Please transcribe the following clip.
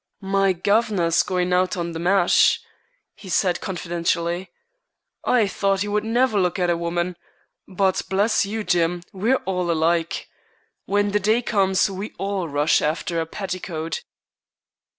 "My guv'nor's going out on the mash," he said confidentially. "I thought he would never look at a woman; but, bless you, Jim, we're all alike. When the day comes we all rush after a petticoat."